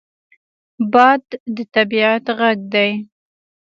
باد د طبعیت غږ دی